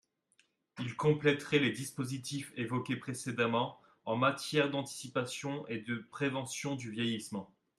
Il compléterait les dispositifs évoqués précédemment en matière d’anticipation et de prévention du vieillissement.